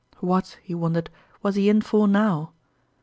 " What," he won dered, " was he in for now